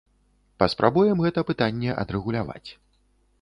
Паспрабуем гэта пытанне адрэгуляваць.